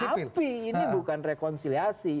ini jauh panggang dari api ini bukan rekonsiliasi